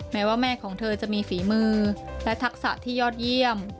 แม้ว่าแม่ของเธอจะมีฝีมือและทักษะที่ยอดเยี่ยม